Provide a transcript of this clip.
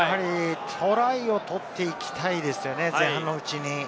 トライを取っていきたいですよね、前半のうちに。